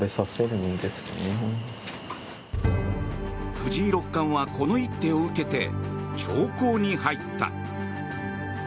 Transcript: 藤井六冠は、この一手を受けて長考に入った。